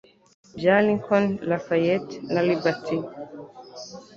Bya Lincoln, Lafayette, na Liberty?